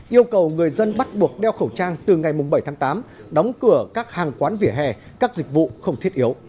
yêu cầu người dân bắt buộc đeo khẩu trang từ ngày bảy tháng tám đóng cửa các hàng quán vỉa hè các dịch vụ không thiết yếu